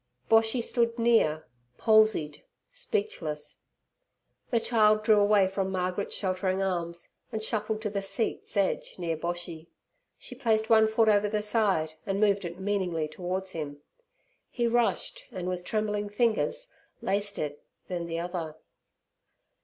Boshy stood near, palsied, speechless. The child drew away from Margaret's sheltering arms and shuffled to the seat's edge near Boshy. She placed one foot over the side, and moved it meaningly towards him. He rushed and with trembling fingers laced it, then the other.